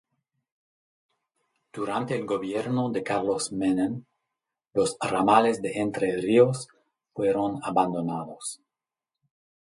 Durante el gobierno de Carlos Menem los ramales de Entre Ríos fueron abandonados.